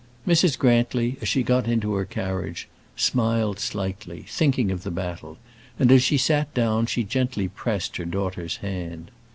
Mrs. Grantly, as she got into her carriage, smiled slightly, thinking of the battle, and as she sat down she gently pressed her daughter's hand.